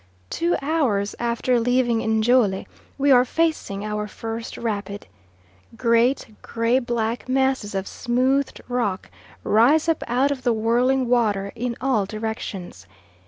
Two hours after leaving Njole we are facing our first rapid. Great gray black masses of smoothed rock rise up out of the whirling water in all directions.